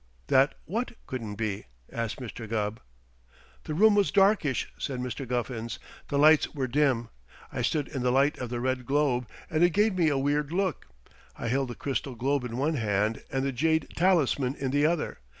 "That what couldn't be?" asked Mr. Gubb. "The room was darkish," said Mr. Guffins. "The lights were dim. I stood in the light of the red globe, and it gave me a weird look. I held the crystal globe in one hand and the jade talisman in the other.